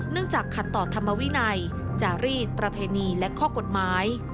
จากขัดต่อธรรมวินัยจารีดประเพณีและข้อกฎหมาย